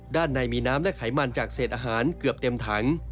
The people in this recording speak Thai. ด้านในมีน้ำและไขมันจากเศษอาหารเกือบเต็มถัง